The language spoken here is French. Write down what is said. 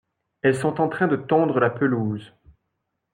Elles sont en train de tondre la pelouse.